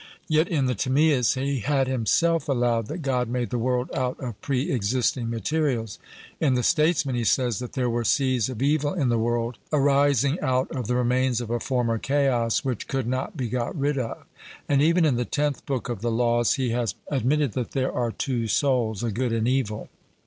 Yet in the Timaeus he had himself allowed that God made the world out of pre existing materials: in the Statesman he says that there were seeds of evil in the world arising out of the remains of a former chaos which could not be got rid of; and even in the Tenth Book of the Laws he has admitted that there are two souls, a good and evil.